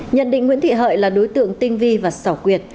nhận định nguyễn thị hợi là đối tượng tinh vi và xảo quyệt